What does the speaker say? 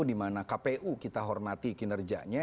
di mana kpu kita hormati kinerjanya